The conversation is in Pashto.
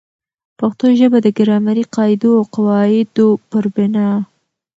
پښتو ژبه د ګرامري قاعدو او قوا عدو پر بناء